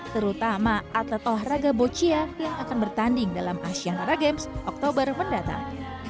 terutama atlet olahraga bocia yang akan bertanding dalam asian horror games oktober mendatang